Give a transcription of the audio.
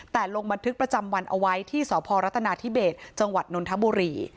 แต่ลงบันทึกประจำวันเอาไว้ที่สพรัฐนาธิเบสจังหวัดนนทบุรี